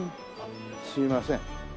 すいません。